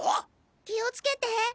気をつけて。